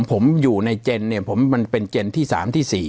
ผมอยู่ในเจนเนี่ยผมมันเป็นเจนที่๓ที่๔